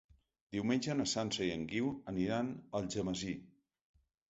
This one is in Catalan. Diumenge na Sança i en Guiu aniran a Algemesí.